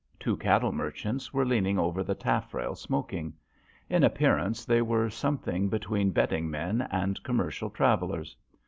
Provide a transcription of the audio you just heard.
Two cattle merchants were leaning over the taffrail smoking. In appearance they were something between betting men and commercial travellers.